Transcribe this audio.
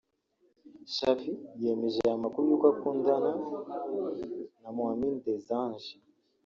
Shafi yemeje aya makuru y’uko akundana na Mwamini Desange